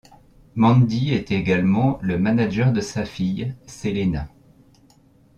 Mandy est également le manager de sa fille, Selena.